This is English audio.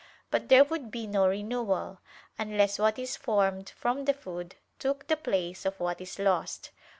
But there would be no renewal, unless what is formed from the food, took the place of what is lost.